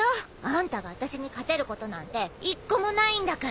あんたがあたしに勝てることなんて一個もないんだから。